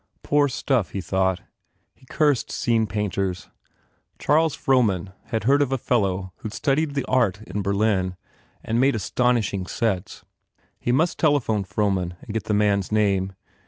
Poor stuff, he thought. He cursed scene painters. Charles Frohman had heard of a fellow who d studied the art in Berlin and made astonishing sets. He must telephone Frohman and get the man s name.